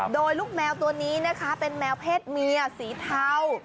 โดยลูกแมวตัวนี้นะคะเป็นแมวเพศเมียสีเทา